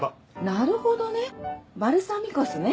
なるほどねバルサミコ酢ね